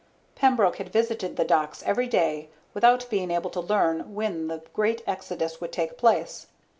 Pembroke had visited the docks every day, without being able to learn when the great exodus would take place.